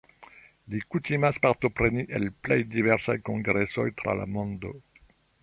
Li kutimas partopreni en plej diversaj kongresoj tra la mondo.